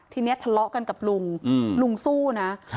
ทีนี้ทะเลาะกันกับลุงลุงสู้นะ